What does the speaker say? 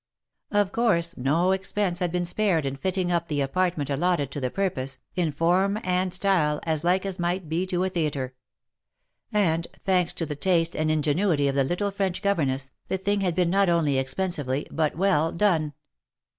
Of course no expense had been spared in fitting up the apartment allotted to the purpose, in form and style as like as might be to a theatre ; and, thanks to the taste and ingenuity of the little French governess, the thing had been not only expensively, but well done.